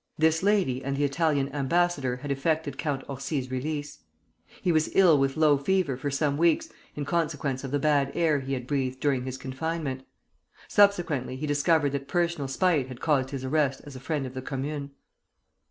This lady and the Italian ambassador had effected Count Orsi's release. He was ill with low fever for some weeks in consequence of the bad air he had breathed during his confinement. Subsequently he discovered that personal spite had caused his arrest as a friend of the Commune.